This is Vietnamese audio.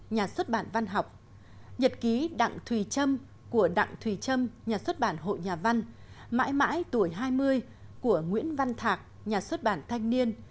nhật ký đặng thùy trâm của đặng thùy trâm nhà xuất bản hội nhà văn mãi mãi tuổi hai mươi của nguyễn văn thạc nhà xuất bản thanh niên